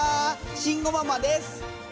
慎吾ママです。